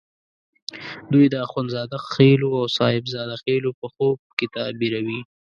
دوی د اخند زاده خېلو او صاحب زاده خېلو په خوب کې تعبیروي.